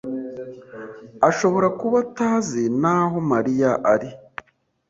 ashobora kuba atazi n'aho Mariya ari.